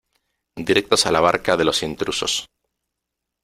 directos a la barca de los intrusos .